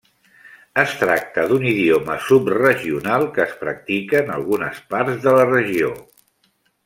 Es tracta d'un idioma subregional que es practica en algunes parts de la regió.